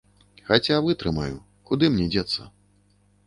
Хаця вытрымаю, куды мне дзецца?